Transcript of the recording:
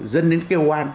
dân đến kêu hoan